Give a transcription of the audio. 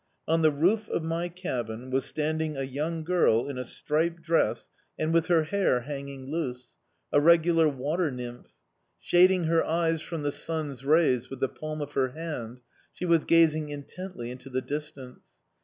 On the roof of my cabin was standing a young girl in a striped dress and with her hair hanging loose a regular water nymph. Shading her eyes from the sun's rays with the palm of her hand, she was gazing intently into the distance.